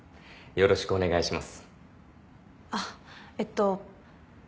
よろしくお願いします。